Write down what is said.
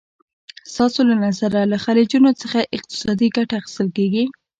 ستاسو له نظره له خلیجونو څخه اقتصادي ګټه اخیستل کېږي؟